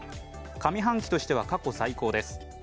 上半期としては過去最高です。